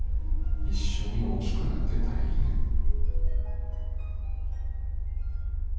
一緒に大きくなってったらいいねん。